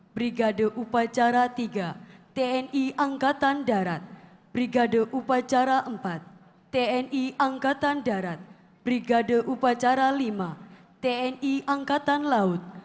brigade upacara tiga tni angkatan darat brigade upacara empat tni angkatan darat brigade upacara lima tni angkatan laut